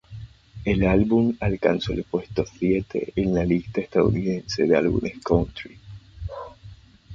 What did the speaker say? El álbum alcanzó el puesto siete en la lista estadounidense de álbumes "country".